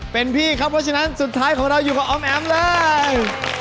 เป็นพี่ครับเพราะฉะนั้นสุดท้ายของเราอยู่กับออมแอ๋มเลย